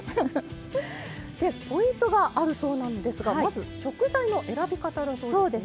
でポイントがあるそうなんですがまず食材の選び方だそうですね？